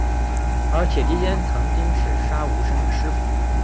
而铁笛仙曾经是杀无生的师父。